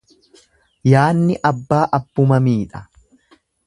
Yaanni abbaa abbuma miidha.